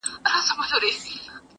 له اغيار سره يې كړي پيوندونه-